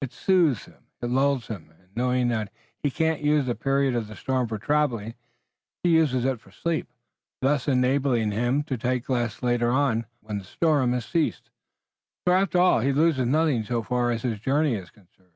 It soothes him, it lulls him, and knowing that he can't use the period of the storm for traveling, he uses it for sleep, thus enabling him to take less later on when the storm has ceased. So, after all, he loses nothing so far as his journey is concerned.